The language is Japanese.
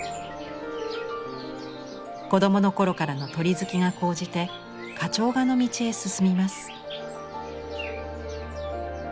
子供の頃からの鳥好きが高じて花鳥画の道へ進みます。